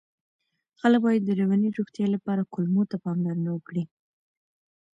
خلک باید د رواني روغتیا لپاره کولمو ته پاملرنه وکړي.